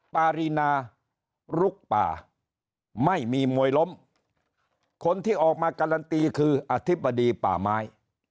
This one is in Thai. ปารีนาลุกป่าไม่มีมวยล้มคนที่ออกมาการันตีคืออธิบดีป่าไม้